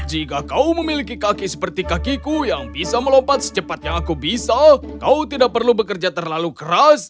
jika kau memiliki kaki seperti kakiku yang bisa melompat secepat yang aku bisa kau tidak perlu bekerja terlalu keras